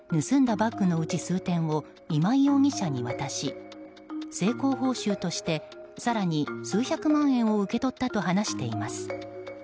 バッグのうち数点を今井容疑者に渡し成功報酬として更に数百万円を受け取ったと話しています。